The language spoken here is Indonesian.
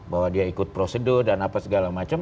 bahwa dia ikut prosedur dan apa segala macam